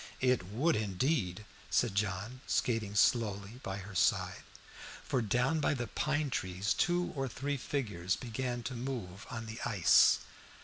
"It would indeed," said John, skating slowly by her side. For down by the pine trees two or three figures began to move on the ice.